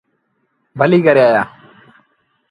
ڀليٚ ڪري آيآ۔